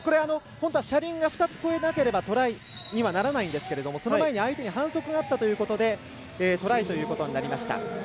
本当は車輪が２つ越えなければトライにはならないんですがその前に相手に反則があったということでトライということになりました。